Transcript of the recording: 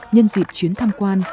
nhân dịp chuyến tham quan